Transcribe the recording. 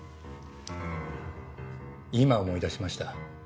今思い出しました。